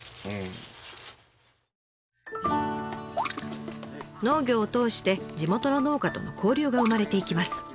農業を通して地元の農家との交流が生まれていきます。